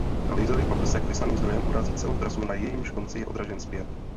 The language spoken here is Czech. Laserový paprsek vyslaný zdrojem urazí celou trasu na jejímž konci je odražen zpět.